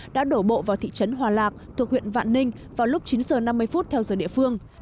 đã đổ bộ vào thị trấn hòa lạc thuộc huyện vạn ninh vào lúc chín h năm mươi theo giờ địa phương